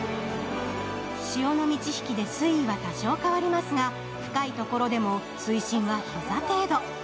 潮の満ち引きで水位は多少変わりますが、深いところでも水深は膝程度。